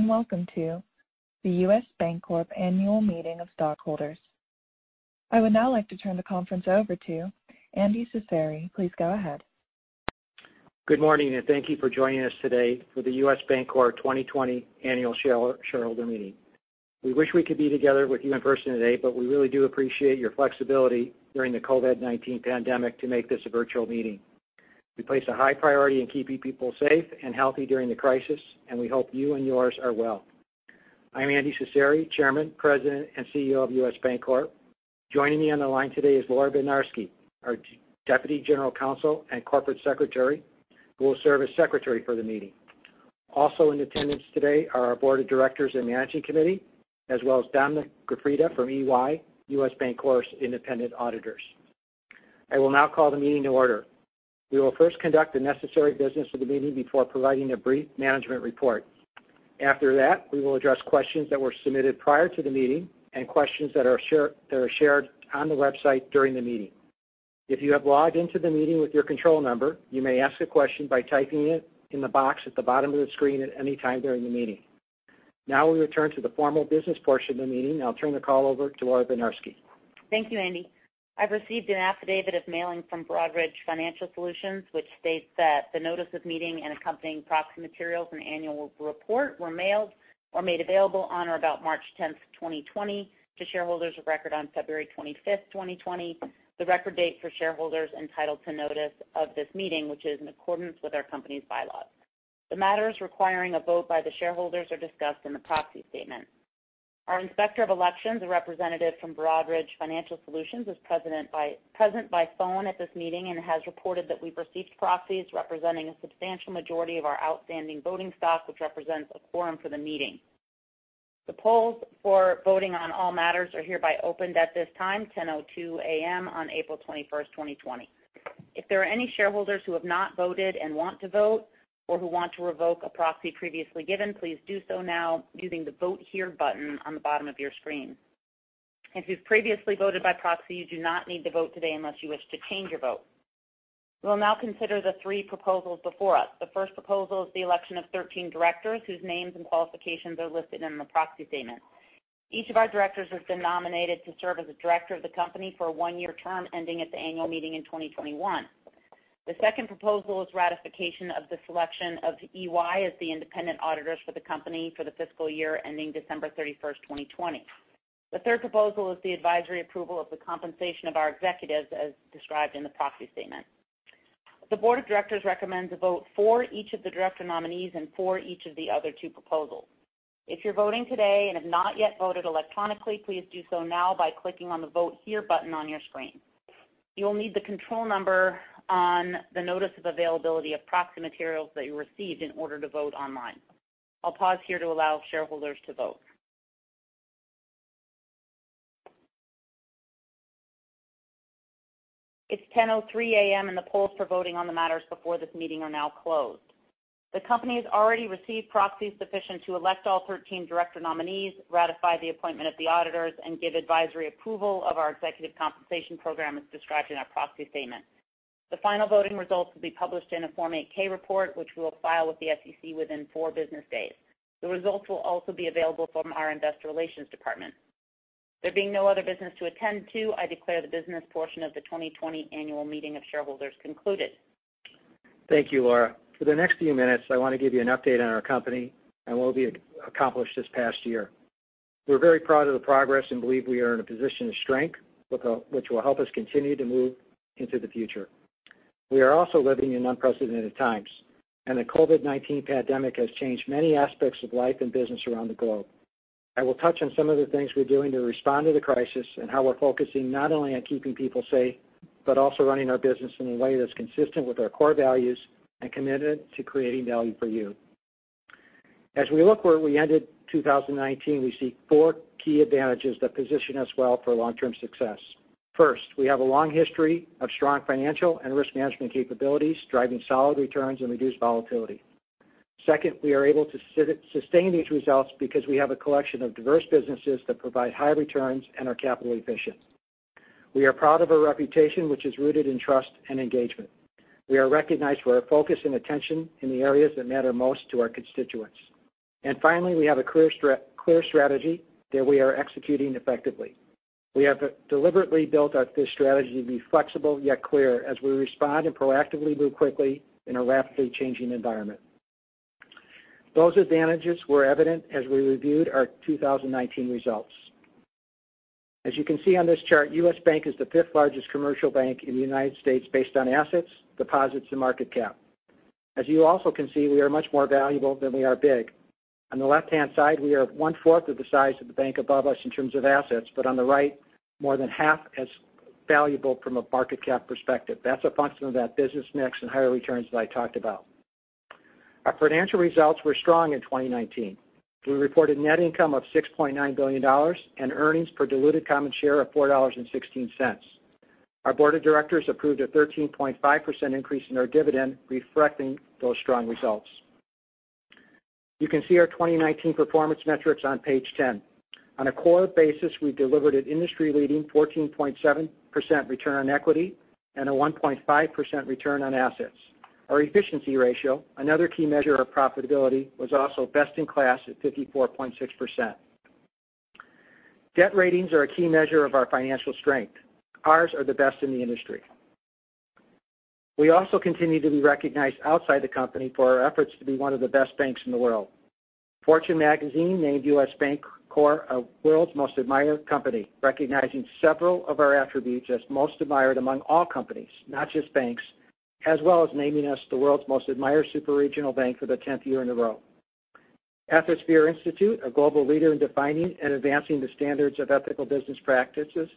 Welcome to the U.S. Bancorp Annual Meeting of Stockholders. I would now like to turn the conference over to Andy Cecere. Please go ahead. Good morning. Thank you for joining us today for the U.S. Bancorp 2020 Annual Shareholder Meeting. We wish we could be together with you in person today, but we really do appreciate your flexibility during the COVID-19 pandemic to make this a virtual meeting. We place a high priority on keeping people safe and healthy during the crisis, and we hope you and yours are well. I'm Andy Cecere, Chairman, President, and CEO of U.S. Bancorp. Joining me on the line today is Laura Bednarski, our Deputy General Counsel and Corporate Secretary, who will serve as Secretary for the meeting. Also in attendance today are our Board of Directors and Managing Committee, as well as Dominic Grafrida from EY, U.S. Bancorp's independent auditors. I will now call the meeting to order. We will first conduct the necessary business of the meeting before providing a brief management report. After that, we will address questions that were submitted prior to the meeting and questions that are shared on the website during the meeting. If you have logged into the meeting with your control number, you may ask a question by typing it in the box at the bottom of the screen at any time during the meeting. Now we return to the formal business portion of the meeting. I'll turn the call over to Laura Bednarski. Thank you, Andy. I've received an affidavit of mailing from Broadridge Financial Solutions, which states that the notice of meeting and accompanying proxy materials and annual report were mailed or made available on or about March 10th, 2020 to shareholders of record on February 25th, 2020, the record date for shareholders entitled to notice of this meeting, which is in accordance with our company's bylaws. The matters requiring a vote by the shareholders are discussed in the proxy statement. Our Inspector of Elections, a representative from Broadridge Financial Solutions, is present by phone at this meeting and has reported that we've received proxies representing a substantial majority of our outstanding voting stock, which represents a quorum for the meeting. The polls for voting on all matters are hereby opened at this time, 10:02 A.M. on April 21st, 2020. If there are any shareholders who have not voted and want to vote or who want to revoke a proxy previously given, please do so now using the Vote Here button on the bottom of your screen. If you've previously voted by proxy, you do not need to vote today unless you wish to change your vote. We will now consider the three proposals before us. The first proposal is the election of 13 directors whose names and qualifications are listed in the proxy statement. Each of our directors has been nominated to serve as a director of the company for a one-year term ending at the annual meeting in 2021. The second proposal is ratification of the selection of EY as the independent auditors for the company for the fiscal year ending December 31st, 2020. The third proposal is the advisory approval of the compensation of our executives as described in the proxy statement. The board of directors recommends a vote for each of the director nominees and for each of the other two proposals. If you're voting today and have not yet voted electronically, please do so now by clicking on the Vote Here button on your screen. You will need the control number on the notice of availability of proxy materials that you received in order to vote online. I'll pause here to allow shareholders to vote. It's 10:03 A.M., and the polls for voting on the matters before this meeting are now closed. The company has already received proxies sufficient to elect all 13 director nominees, ratify the appointment of the auditors, and give advisory approval of our executive compensation program as described in our proxy statement. The final voting results will be published in a Form 8-K report, which we will file with the SEC within four business days. The results will also be available from our investor relations department. There being no other business to attend to, I declare the business portion of the 2020 Annual Meeting of Shareholders concluded. Thank you, Laura. For the next few minutes, I want to give you an update on our company and what we accomplished this past year. We're very proud of the progress and believe we are in a position of strength, which will help us continue to move into the future. We are also living in unprecedented times, and the COVID-19 pandemic has changed many aspects of life and business around the globe. I will touch on some of the things we're doing to respond to the crisis and how we're focusing not only on keeping people safe, but also running our business in a way that's consistent with our core values and committed to creating value for you. As we look where we ended 2019, we see four key advantages that position us well for long-term success. First, we have a long history of strong financial and risk management capabilities, driving solid returns and reduced volatility. Second, we are able to sustain these results because we have a collection of diverse businesses that provide high returns and are capital efficient. We are proud of our reputation, which is rooted in trust and engagement. We are recognized for our focus and attention in the areas that matter most to our constituents. And finally, we have a clear strategy that we are executing effectively. We have deliberately built this strategy to be flexible yet clear as we respond and proactively move quickly in a rapidly changing environment. Those advantages were evident as we reviewed our 2019 results. As you can see on this chart, U.S. Bank is the fifth largest commercial bank in the United States based on assets, deposits, and market cap. As you also can see, we are much more valuable than we are big. On the left-hand side, we are one-fourth of the size of the bank above us in terms of assets, on the right, more than half as valuable from a market cap perspective. That's a function of that business mix and higher returns that I talked about. Our financial results were strong in 2019. We reported net income of $6.9 billion and earnings per diluted common share of $4.16. Our board of directors approved a 13.5% increase in our dividend, reflecting those strong results. You can see our 2019 performance metrics on page 10. On a core basis, we delivered an industry-leading 14.7% return on equity and a 1.5% return on assets. Our efficiency ratio, another key measure of profitability, was also best in class at 54.6%. Debt ratings are a key measure of our financial strength. Ours are the best in the industry. We also continue to be recognized outside the company for our efforts to be one of the best banks in the world. Fortune Magazine named U.S. Bancorp a World's Most Admired Company, recognizing several of our attributes as most admired among all companies, not just banks, as well as naming us the world's most admired super regional bank for the 10th year in a row. Ethisphere Institute, a global leader in defining and advancing the standards of ethical business practices,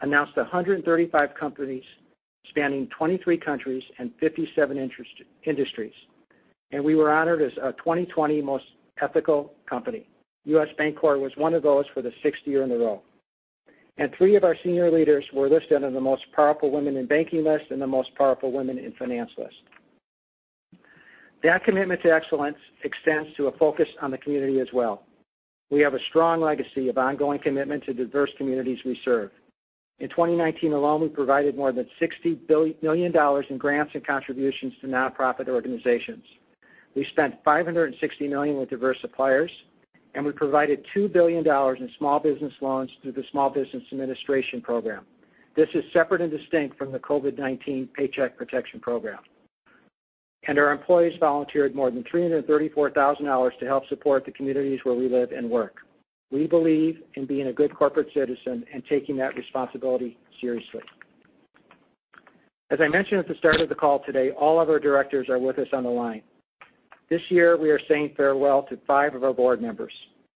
announced 135 companies spanning 23 countries and 57 industries. We were honored as a 2020 Most Ethical Company. U.S. Bancorp was one of those for the sixth year in a row. Three of our senior leaders were listed on the Most Powerful Women in Banking list and the Most Powerful Women in Finance list. That commitment to excellence extends to a focus on the community as well. We have a strong legacy of ongoing commitment to diverse communities we serve. In 2019 alone, we provided more than $60 million in grants and contributions to nonprofit organizations. We spent $560 million with diverse suppliers. We provided $2 billion in small business loans through the Small Business Administration program. This is separate and distinct from the COVID-19 Paycheck Protection Program. Our employees volunteered more than 334,000 hours to help support the communities where we live and work. We believe in being a good corporate citizen and taking that responsibility seriously. As I mentioned at the start of the call today, all of our directors are with us on the line. This year, we are saying farewell to five of our board members,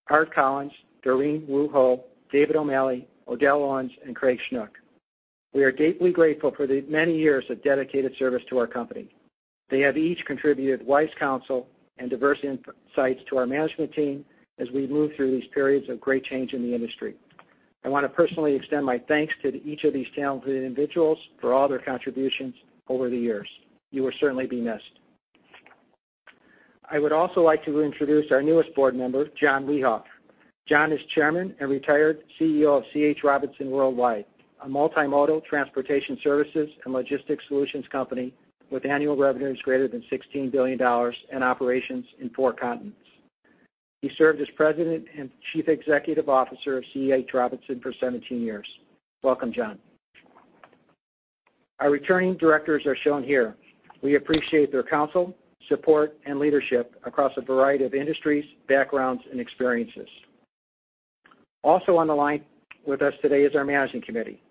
Art Collins, Doreen Woo Ho, David O'Maley, O'Dell Owens, and Craig Schnuck. We are deeply grateful for the many years of dedicated service to our company. They have each contributed wise counsel and diverse insights to our management team as we move through these periods of great change in the industry. I want to personally extend my thanks to each of these talented individuals for all their contributions over the years. You will certainly be missed. I would also like to introduce our newest board member, John Wiehoff. John is chairman and retired CEO of C.H. Robinson Worldwide, a multimodal transportation services and logistics solutions company with annual revenues greater than $16 billion and operations in four continents. He served as president and chief executive officer of C.H. Robinson for 17 years. Welcome, John. Our returning directors are shown here. We appreciate their counsel, support, and leadership across a variety of industries, backgrounds, and experiences. Also on the line with us today is our management committee.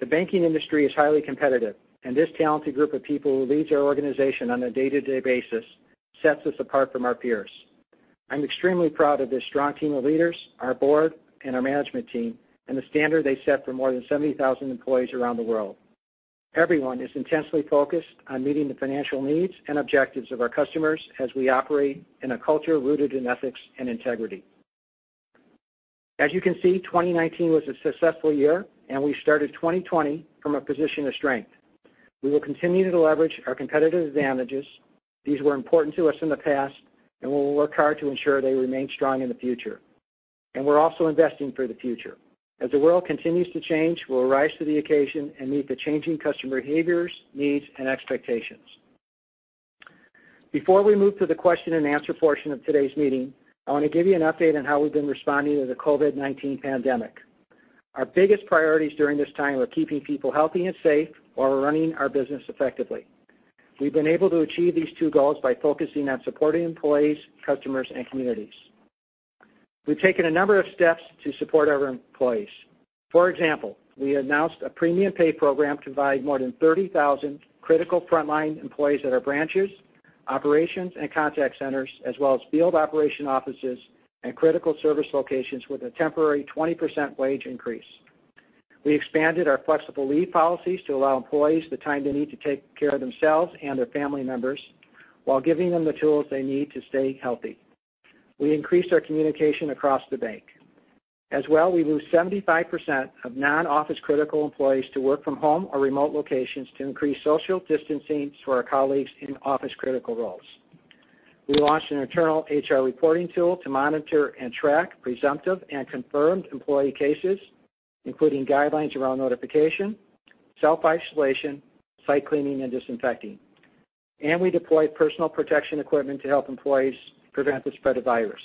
The banking industry is highly competitive, and this talented group of people who leads our organization on a day-to-day basis sets us apart from our peers. I'm extremely proud of this strong team of leaders, our board, and our management team, and the standard they set for more than 70,000 employees around the world. Everyone is intensely focused on meeting the financial needs and objectives of our customers as we operate in a culture rooted in ethics and integrity. As you can see, 2019 was a successful year, and we started 2020 from a position of strength. We will continue to leverage our competitive advantages. These were important to us in the past, and we will work hard to ensure they remain strong in the future. We're also investing for the future. As the world continues to change, we'll rise to the occasion and meet the changing customer behaviors, needs, and expectations. Before we move to the question and answer portion of today's meeting, I want to give you an update on how we've been responding to the COVID-19 pandemic. Our biggest priorities during this time are keeping people healthy and safe while running our business effectively. We've been able to achieve these two goals by focusing on supporting employees, customers, and communities. We've taken a number of steps to support our employees. For example, we announced a premium pay program to provide more than 30,000 critical frontline employees at our branches, operations, and contact centers, as well as field operation offices and critical service locations with a temporary 20% wage increase. We expanded our flexible leave policies to allow employees the time they need to take care of themselves and their family members while giving them the tools they need to stay healthy. We increased our communication across the bank. As well, we moved 75% of non-office critical employees to work from home or remote locations to increase social distancing for our colleagues in office critical roles. We launched an internal HR reporting tool to monitor and track presumptive and confirmed employee cases, including guidelines around notification, self-isolation, site cleaning, and disinfecting. We deployed personal protection equipment to help employees prevent the spread of virus.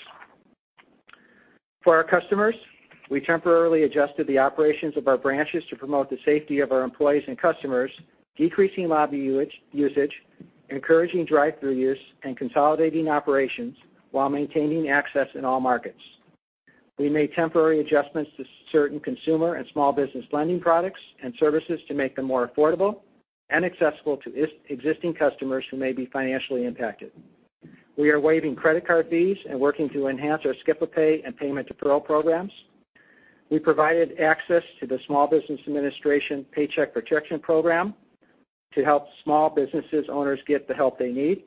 For our customers, we temporarily adjusted the operations of our branches to promote the safety of our employees and customers, decreasing lobby usage, encouraging drive-thru use, and consolidating operations while maintaining access in all markets. We made temporary adjustments to certain consumer and small business lending products and services to make them more affordable and accessible to existing customers who may be financially impacted. We are waiving credit card fees and working to enhance our skip-a-pay and payment deferral programs. We provided access to the Small Business Administration Paycheck Protection Program to help small businesses owners get the help they need.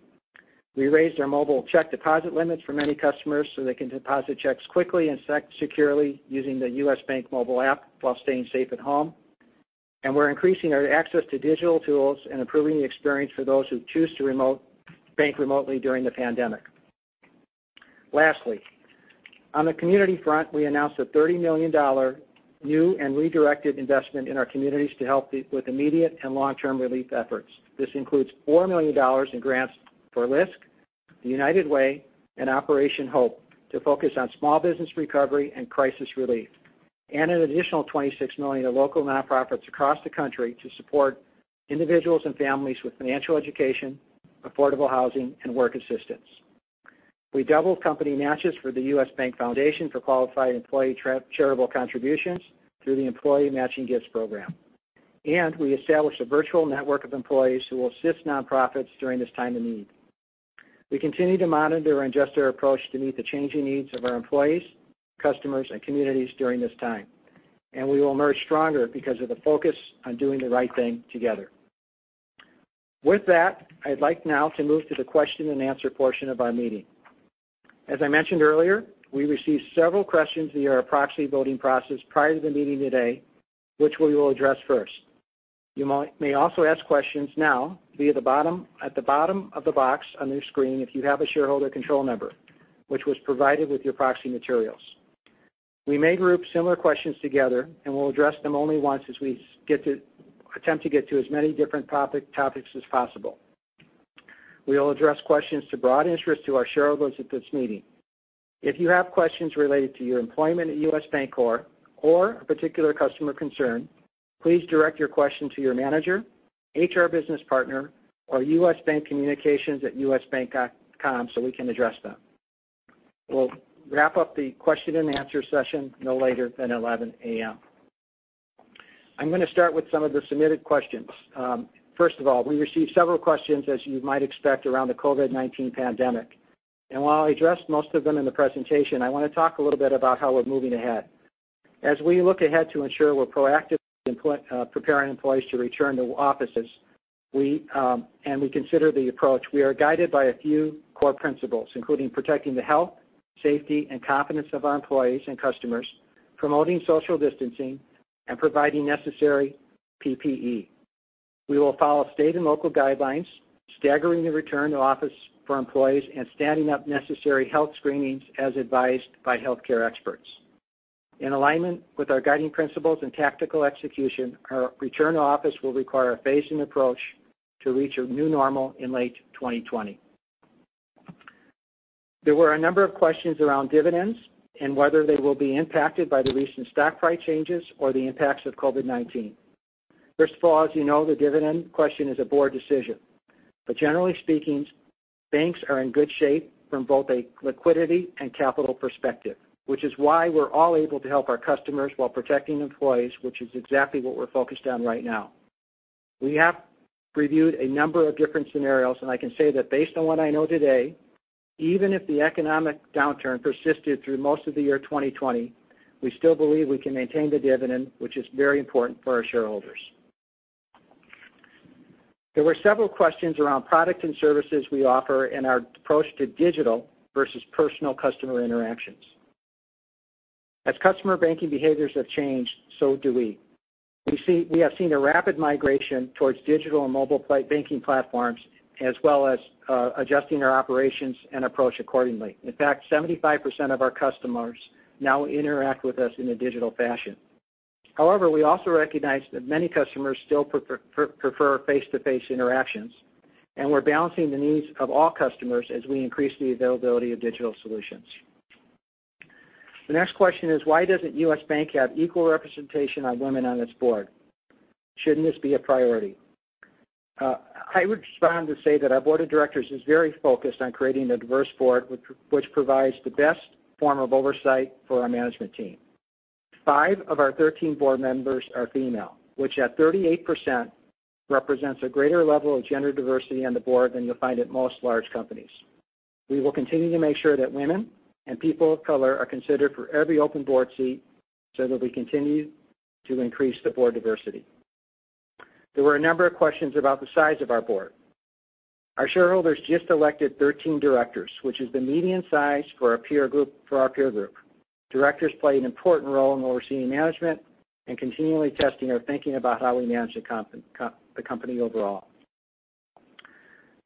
We raised our mobile check deposit limits for many customers so they can deposit checks quickly and securely using the U.S. Bank Mobile App while staying safe at home. We're increasing our access to digital tools and improving the experience for those who choose to bank remotely during the pandemic. Lastly, on the community front, we announced a $30 million new and redirected investment in our communities to help with immediate and long-term relief efforts. This includes $4 million in grants for LISC, United Way, and Operation HOPE to focus on small business recovery and crisis relief, and an additional $26 million to local nonprofits across the country to support individuals and families with financial education, affordable housing, and work assistance. We doubled company matches for the U.S. Bank Foundation for qualified employee charitable contributions through the employee matching gifts program. We established a virtual network of employees who will assist nonprofits during this time of need. We continue to monitor and adjust our approach to meet the changing needs of our employees, customers, and communities during this time. We will emerge stronger because of the focus on doing the right thing together. With that, I'd like now to move to the question and answer portion of our meeting. As I mentioned earlier, we received several questions via our proxy voting process prior to the meeting today, which we will address first. You may also ask questions now via at the bottom of the box on your screen if you have a shareholder control number, which was provided with your proxy materials. We may group similar questions together, and we'll address them only once as we attempt to get to as many different topics as possible. We will address questions to broad interest to our shareholders at this meeting. If you have questions related to your employment at U.S. Bancorp or a particular customer concern, please direct your question to your manager, HR business partner, or USBankCommunications@usbank.com so we can address them. We'll wrap up the question and answer session no later than 11:00 a.m. I'm going to start with some of the submitted questions. First of all, we received several questions, as you might expect, around the COVID-19 pandemic. While I addressed most of them in the presentation, I want to talk a little bit about how we're moving ahead. As we look ahead to ensure we're proactively preparing employees to return to offices, and we consider the approach, we are guided by a few core principles, including protecting the health, safety, and confidence of our employees and customers, promoting social distancing, and providing necessary PPE. We will follow state and local guidelines, staggering the return to office for employees, and standing up necessary health screenings as advised by healthcare experts. In alignment with our guiding principles and tactical execution, our return to office will require a phased approach to reach a new normal in late 2020. There were a number of questions around dividends and whether they will be impacted by the recent stock price changes or the impacts of COVID-19. First of all, as you know, the dividend question is a board decision. Generally speaking, banks are in good shape from both a liquidity and capital perspective, which is why we're all able to help our customers while protecting employees, which is exactly what we're focused on right now. We have reviewed a number of different scenarios, and I can say that based on what I know today, even if the economic downturn persisted through most of the year 2020, we still believe we can maintain the dividend, which is very important for our shareholders. There were several questions around products and services we offer and our approach to digital versus personal customer interactions. As customer banking behaviors have changed, so do we. We have seen a rapid migration towards digital and mobile banking platforms, as well as adjusting our operations and approach accordingly. In fact, 75% of our customers now interact with us in a digital fashion. However we also recognize that many customers still prefer face-to-face interactions, and we're balancing the needs of all customers as we increase the availability of digital solutions. The next question is, why doesn't U.S. Bank have equal representation of women on its board? Shouldn't this be a priority? I would respond to say that our board of directors is very focused on creating a diverse board which provides the best form of oversight for our management team. Five of our 13 board members are female, which at 38% represents a greater level of gender diversity on the board than you'll find at most large companies. We will continue to make sure that women and people of color are considered for every open board seat so that we continue to increase the board diversity. There were a number of questions about the size of our board. Our shareholders just elected 13 directors, which is the median size for our peer group. Directors play an important role in overseeing management and continually testing our thinking about how we manage the company overall.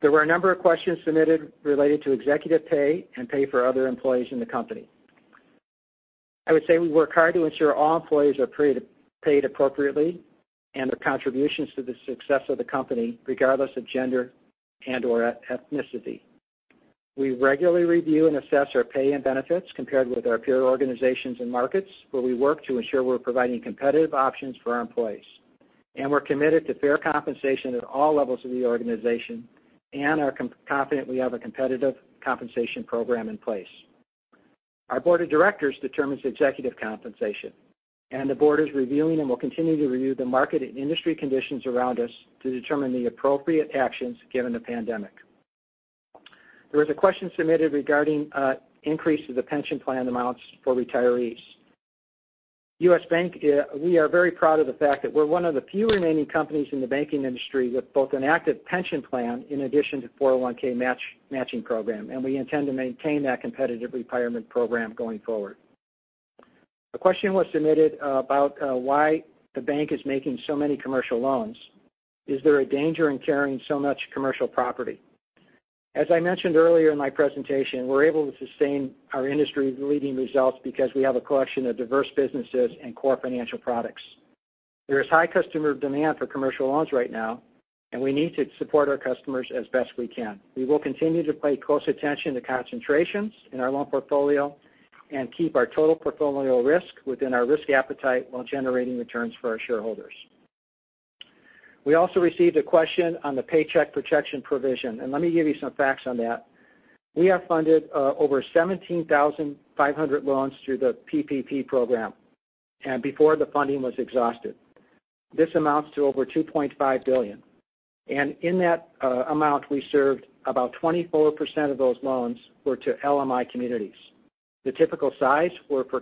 There were a number of questions submitted related to executive pay and pay for other employees in the company. I would say we work hard to ensure all employees are paid appropriately and their contributions to the success of the company, regardless of gender and/or ethnicity. We regularly review and assess our pay and benefits compared with our peer organizations and markets, where we work to ensure we're providing competitive options for our employees. We're committed to fair compensation at all levels of the organization and are confident we have a competitive compensation program in place. Our board of directors determines executive compensation, and the board is reviewing and will continue to review the market and industry conditions around us to determine the appropriate actions given the pandemic. There was a question submitted regarding increase of the pension plan amounts for retirees. We are very proud of the fact that we're one of the few remaining companies in the banking industry with both an active pension plan in addition to 401 matching program, and we intend to maintain that competitive retirement program going forward. A question was submitted about why the bank is making so many commercial loans. Is there a danger in carrying so much commercial property? As I mentioned earlier in my presentation, we're able to sustain our industry-leading results because we have a collection of diverse businesses and core financial products. There is high customer demand for commercial loans right now, and we need to support our customers as best we can. We will continue to pay close attention to concentrations in our loan portfolio and keep our total portfolio risk within our risk appetite while generating returns for our shareholders. We also received a question on the Paycheck Protection provision. Let me give you some facts on that. We have funded over 17,500 loans through the PPP program before the funding was exhausted. This amounts to over $2.5 billion. In that amount, we served about 24% of those loans were to LMI communities. The typical size were for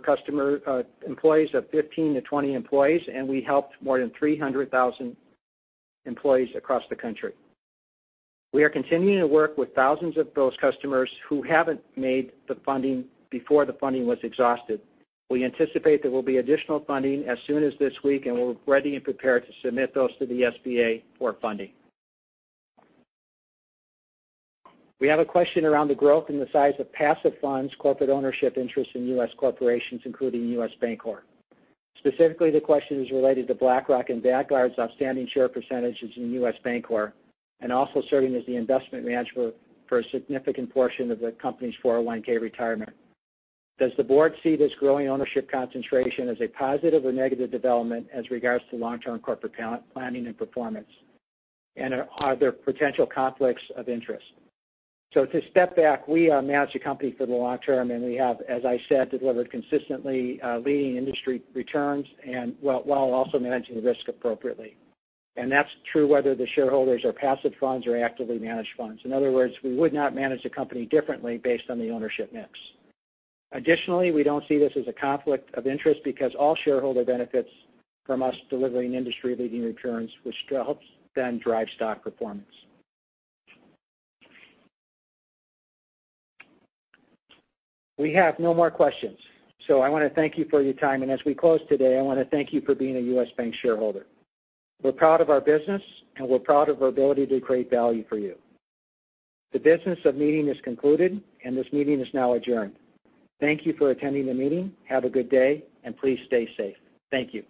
employees of 15 to 20 employees, and we helped more than 300,000 employees across the country. We are continuing to work with thousands of those customers who haven't made the funding before the funding was exhausted. We anticipate there will be additional funding as soon as this week, and we're ready and prepared to submit those to the SBA for funding. We have a question around the growth in the size of passive funds, corporate ownership interest in U.S. corporations, including U.S. Bancorp. Specifically, the question is related to BlackRock and Vanguard's outstanding share percentages in U.S. Bancorp, and also serving as the investment manager for a significant portion of the company's 401 retirement. Does the board see this growing ownership concentration as a positive or negative development as regards to long-term corporate planning and performance? Are there potential conflicts of interest? To step back, we manage the company for the long term, and we have, as I said, delivered consistently leading industry returns and while also managing risk appropriately. That's true whether the shareholders are passive funds or actively managed funds. In other words, we would not manage the company differently based on the ownership mix. Additionally, we don't see this as a conflict of interest because all shareholders benefit from us delivering industry-leading returns, which helps then drive stock performance. We have no more questions. I want to thank you for your time. As we close today, I want to thank you for being a U.S. Bank shareholder. We're proud of our business, and we're proud of our ability to create value for you. The business meeting is concluded, and this meeting is now adjourned. Thank you for attending the meeting. Have a good day, and please stay safe. Thank you.